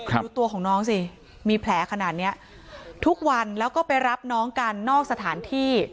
ดูตัวของน้องสิมีแผลขนาดเนี้ยทุกวันแล้วก็ไปรับน้องกันนอกสถานที่